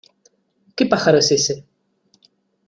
¿ qué pájaro es ese?...